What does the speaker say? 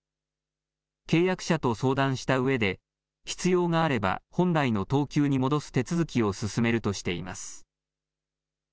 契約者と相談したうえで必要があれば本来の等級に戻す手続きを進めるとしています。